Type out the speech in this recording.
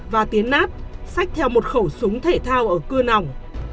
và tiến nát sách theo một khẩu súng thể thao ở cưa nòng